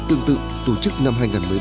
tổ chức năm hai nghìn một mươi bảy